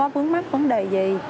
phướng mắt vấn đề gì